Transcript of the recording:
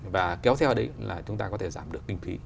và kéo theo đấy là chúng ta có thể giảm được kinh phí